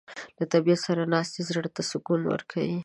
له طبیعت سره ناستې زړه ته سکون ورکوي.